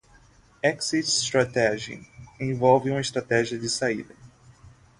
Exit Strategy envolve estratégia de saída.